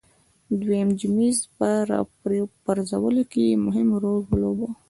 دویم جېمز په راپرځولو کې یې مهم رول ولوباوه.